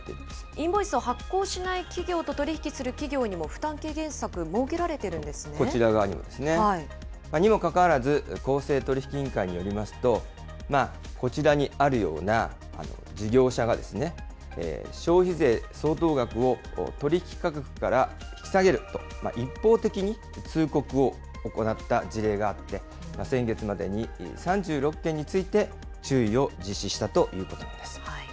インボイスを発行しない企業と取り引きする企業にも負担軽減こちら側にもですね。にもかかわらず、公正取引委員会によりますと、こちらにあるような事業者が消費税相当額を取り引き価格から引き下げると、一方的に通告を行った事例があって、先月までに３６件について注意を実施したということなんです。